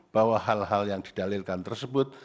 bahwa hal hal yang didalilkan tersebut